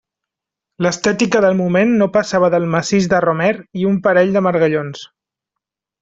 L'estètica del moment no passava del massís de romer i un parell de margallons.